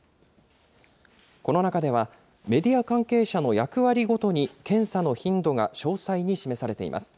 この中では、メディア関係者の役割ごとに検査の頻度が詳細に示されています。